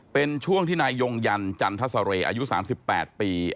เป็นช่วงที่นายยงยันจันทสเรย์อายุ๓๘ปี